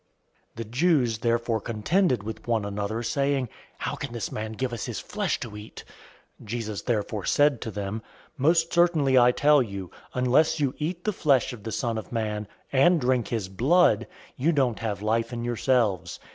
006:052 The Jews therefore contended with one another, saying, "How can this man give us his flesh to eat?" 006:053 Jesus therefore said to them, "Most certainly I tell you, unless you eat the flesh of the Son of Man and drink his blood, you don't have life in yourselves.